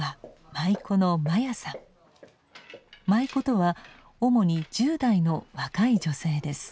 舞妓とは主に１０代の若い女性です。